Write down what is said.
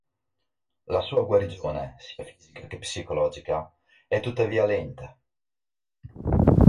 La sua guarigione, sia fisica che psicologica, è tuttavia lenta.